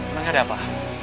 emang ada apa